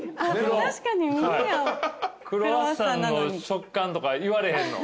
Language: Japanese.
クロワッサンの食感とか言われへんの。